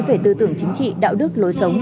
về tư tưởng chính trị đạo đức lối sống